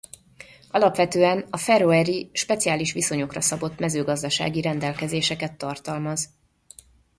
Alapvetően a feröeri speciális viszonyokra szabott mezőgazdasági rendelkezéseket tartalmaz.